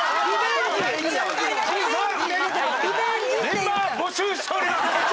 メンバー募集しております！